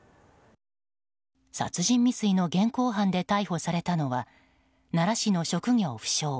殺人未遂の現行犯で逮捕されたのは奈良市の職業不詳